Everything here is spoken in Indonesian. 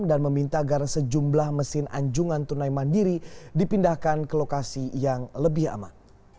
dan meminta agar sejumlah mesin anjungan tunai mandiri dipindahkan ke lokasi yang lebih aman